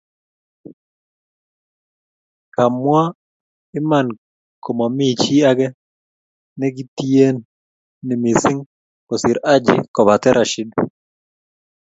kawmwa iman ko momii chi age nikitieni mising kosir Haji kobate Rashid.